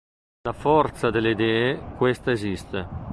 La forza delle idee, questa esiste.